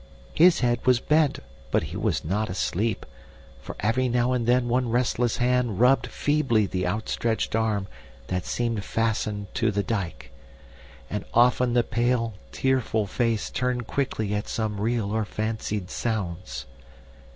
His head was bent but he was not asleep, for every now and then one restless hand rubbed feebly the outstretched arm that seemed fastened to the dike and often the pale, tearful face turned quickly at some real or fancied sounds.